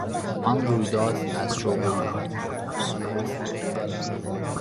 آن رویداد از شوق و ذوق ما کاست.